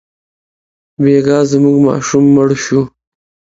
بېګا زموږ ماشوم مړ شو.